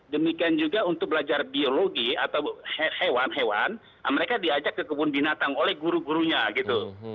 demikian juga untuk belajar biologi atau hewan hewan mereka diajak ke kebun binatang oleh guru gurunya gitu